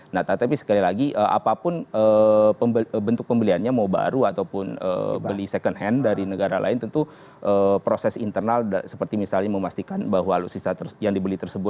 nah tapi sekali lagi apapun bentuk pembeliannya mau baru ataupun beli second hand dari negara lain tentu proses internal seperti misalnya memastikan bahwa alutsista yang dibeli tersebut